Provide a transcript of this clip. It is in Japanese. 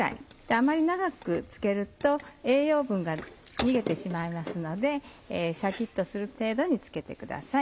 あまり長く漬けると栄養分が逃げてしまいますのでシャキっとする程度に漬けてください。